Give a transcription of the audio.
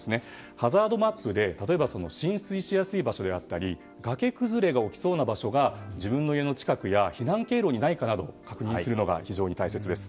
ハザードマップで例えば浸水しやすい場所であったり崖崩れが起きそうな場所が自分の家の近くにないか確認するのが非常に大切です。